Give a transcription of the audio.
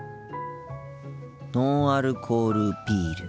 ノンアルコールビール。